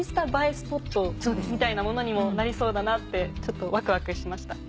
スポットみたいなものにもなりそうだなってちょっとワクワクしました。